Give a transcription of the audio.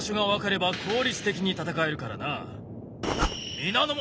皆の者！